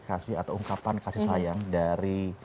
kasih atau ungkapan kasih sayang dari